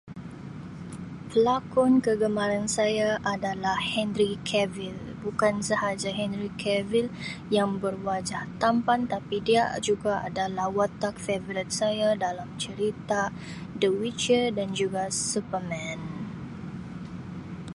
Pelakon kegemaran saya adalah Henry Cavill, bukan sahaja Henry Cavill yang berwajah tampan tapi dia juga adalah watak favourite saya dalam cerita The Witcher dan juga Superman.